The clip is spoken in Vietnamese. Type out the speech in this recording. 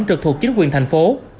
được thuộc chính quyền thành phố